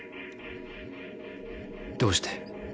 どうして？